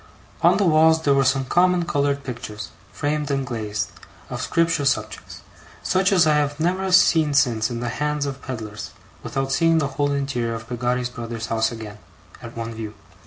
On the walls there were some common coloured pictures, framed and glazed, of scripture subjects; such as I have never seen since in the hands of pedlars, without seeing the whole interior of Peggotty's brother's house again, at one view.